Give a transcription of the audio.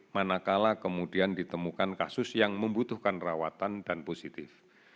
manakala kemudian ditemukan kasus yang membutuhkan rawatan dan positif